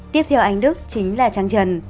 tiếp theo anh đức chính là trăng trần